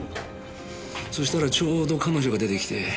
そしたらちょうど彼女が出てきて。